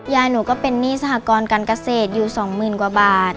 ยายหนูก็เป็นนี่สหกรณ์การเกษตรอยู่สองหมื่นกว่าบาท